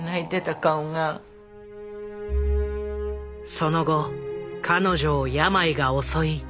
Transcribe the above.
その後彼女を病が襲い胃を摘出。